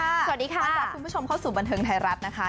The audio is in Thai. วันตัดของคุณผู้ชมบรรเทิงไทยรัฐนะคะ